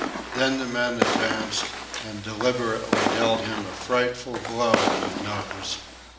Then the man advanced and deliberately dealt him a frightful blow on the nose.